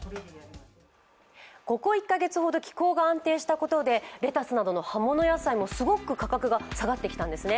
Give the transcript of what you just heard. ここ１カ月ほど気候が安定したことでレタスなどの葉物野菜もすごく価格が下がってきたんですね。